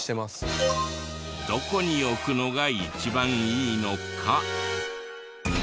どこに置くのが一番いいのか。